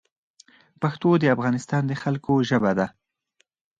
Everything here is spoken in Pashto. پښتو د افغانستان د خلګو ژبه ده